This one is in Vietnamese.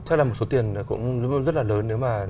chắc là một số tiền cũng rất là lớn nếu mà